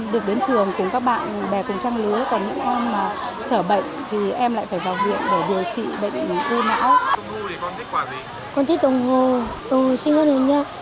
con thích tùng hồ tùng hồ xinh hơn hơn nhau